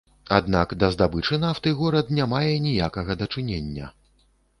Аднак да здабычы нафты горад не мае ніякага дачынення.